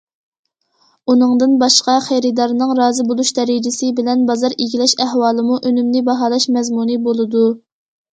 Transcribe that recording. ئۇنىڭدىن باشقا، خېرىدارنىڭ رازى بولۇش دەرىجىسى بىلەن بازار ئىگىلەش ئەھۋالىمۇ ئۈنۈمنى باھالاش مەزمۇنى بولىدۇ.